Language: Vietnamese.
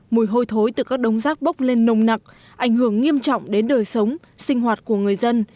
mùi hôi thối từ các đống rác bốc lên nồng nặng ảnh hưởng nghiêm trọng đến đời sống sinh hoạt của người dân